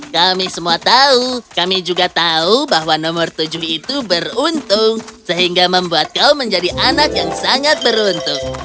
kami semua tahu kami juga tahu bahwa nomor tujuh itu beruntung sehingga membuat kau menjadi anak yang sangat beruntung